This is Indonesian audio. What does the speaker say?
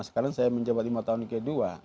sekarang saya mencoba lima tahun yang kedua